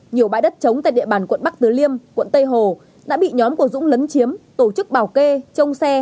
nhiều bãi đất trống tại địa bàn quận bắc tử liêm quận tây hồ đã bị nhóm của dũng lấn chiếm tổ chức bảo kê trông xe